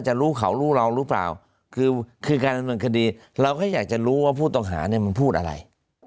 จะรู้เขารู้เรารู้เปล่าคือคือการแบ่งคดีเราก็อยากจะรู้ว่าผู้ต่อหาเนี่ยมันพูดอะไร